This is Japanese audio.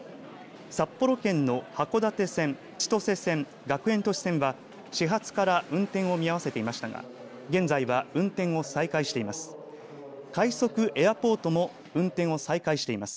札幌圏の函館線千歳線、学園都市線は始発から運転を見合わせていましたが現在は運転を再開しています。